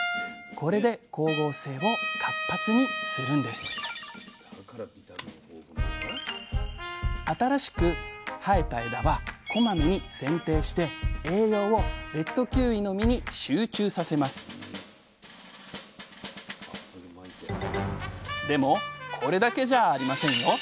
これで光合成を活発にするんです新しく生えた枝はこまめにせんていして栄養をレッドキウイの実に集中させますでもこれだけじゃありませんよ。